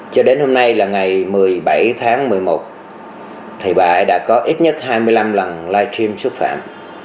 cho đến hôm nay là ngày một mươi bảy tháng một mươi một thì bạn đã có ít nhất hai mươi năm lần live stream xúc phạm